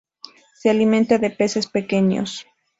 Se alimenta de peces pequeños.